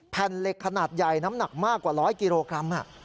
แผ่นเหล็กขนาดใหญ่น้ำหนักมากกว่า๑๐๐กิโลกรัม